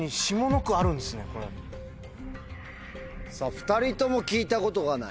２人とも聞いたことがない。